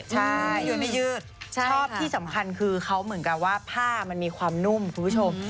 ใช่ไม่ยวนไม่ยืดชอบที่สำคัญคือเขาเหมือนกับว่าผ้ามันมีความนุ่มคุณผู้ชม